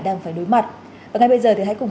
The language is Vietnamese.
đang phải đối mặt và ngay bây giờ thì hãy cùng